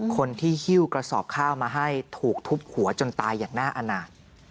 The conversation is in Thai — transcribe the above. คนที่หิ้วกระสอบข้าวมาให้ถูกทุบหัวจนตายอย่างน่าอาณาจ